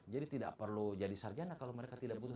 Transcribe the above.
jadi tidak perlu jadi sarjana kalau mereka tidak butuh